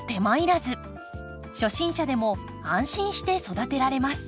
初心者でも安心して育てられます。